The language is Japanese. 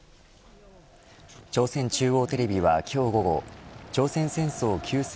朝鮮中央テレビは今日午後朝鮮戦争休戦